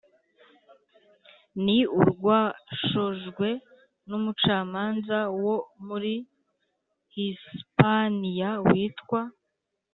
ni urwashojwe n'umucamanza wo muri hispaniya witwa